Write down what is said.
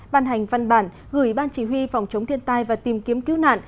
ban hành văn bản gửi ban chỉ huy phòng chống thiên tai và tìm kiếm cứu nạn